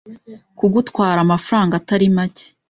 kugutwara amafaranga atari make,